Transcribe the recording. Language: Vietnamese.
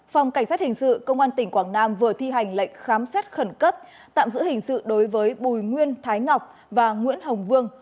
phòng cảnh sát hình sự công an tỉnh quảng nam vừa thi hành lệnh khám xét khẩn cấp tạm giữ hình sự đối với bùi nguyên thái ngọc và nguyễn hồng vương